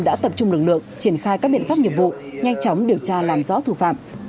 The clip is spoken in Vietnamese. đã tập trung lực lượng triển khai các biện pháp nghiệp vụ nhanh chóng điều tra làm rõ thủ phạm